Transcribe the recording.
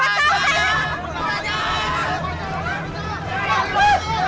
berhenti tunggu dulu